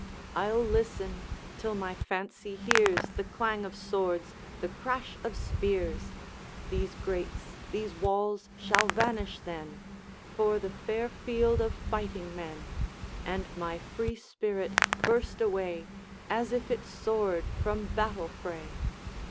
I'll listen, till my fancy hears The clang of swords' the crash of spears! These grates, these walls, shall vanish then For the fair field of fighting men, And my free spirit burst away, As if it soared from battle fray.'